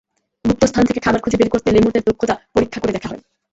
গুপ্তস্থান থেকে খাবার খুঁজে বের করতে লেমুরদের দক্ষতা পরীক্ষা করে দেখা হয়।